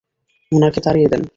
ওনাকে তাড়িয়ে দেন!